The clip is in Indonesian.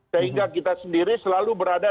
sehingga kita sendiri selalu berada